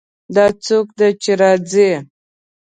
دا څوک ده چې راځي